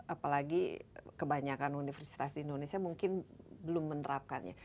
apalagi kebanyakan universitas di indonesia mungkin belum menerapkannya